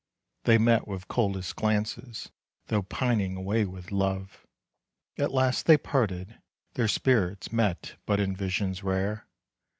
They met with coldest glances, Though pining away with love. At last they parted; their spirits Met but in visions rare.